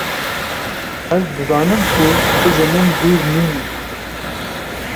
Ez dizanim ku tu ji min dûr nîn î